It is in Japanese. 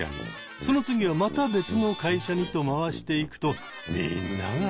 その次はまた別の会社にと回していくとみんながおいしい。